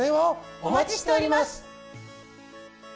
お待ちしております。